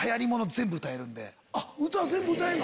全部歌えるの？